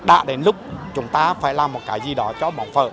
đã đến lúc chúng ta phải làm một cái gì đó cho bóng phở